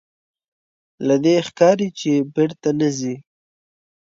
له دې ښکاري چې بېرته نه ځې.